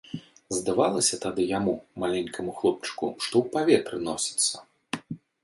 Здавалася тады яму, маленькаму хлопчыку, што ў паветры носіцца.